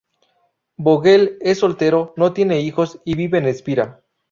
Vogel es soltero, no tiene hijos y vive en Espira.